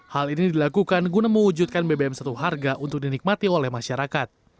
hal ini dilakukan guna mewujudkan bbm satu harga untuk dinikmati oleh masyarakat